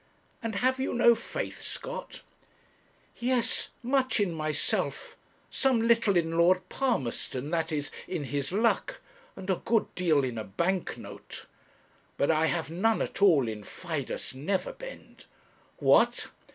'And have you no faith, Scott?' 'Yes much in myself some little in Lord Palmerston, that is, in his luck; and a good deal in a bank note. But I have none at all in Fidus Neverbend. What!